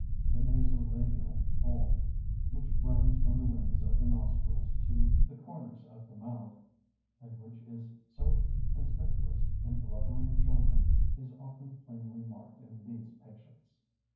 The naso labial fold, which runs from the wings of the nostrils to the comers of the mouth, and which is so conspicuous in blubbering children, is often plainly marked in these patients.